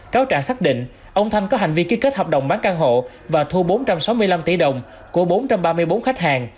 cáo trạng xác định ông thanh có hành vi ký kết hợp đồng bán căn hộ và thu bốn trăm sáu mươi năm tỷ đồng của bốn trăm ba mươi bốn khách hàng